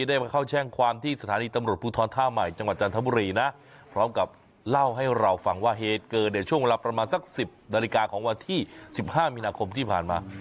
ได้มาเข้าแช่งความที่สถานีตำรวจภูทรท่าใหม่จังหวัดจันทบุรีนะพร้อมกับเล่าให้เราฟังว่าเหตุเกิดในช่วงเวลาประมาณสัก๑๐นาฬิกาของวันที่๑๕มีนาคมที่ผ่านมา